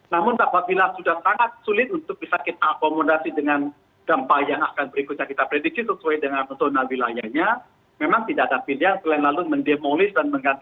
namun apabila sudah sangat sulit untuk bisa kita akomodasi dengan gempa yang akan berikutnya kita prediksi sesuai dengan zona wilayahnya memang tidak ada pilihan selain lalu mendemolis dan mengganti